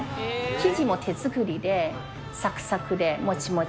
生地も手作りでサクサクでモチモチ。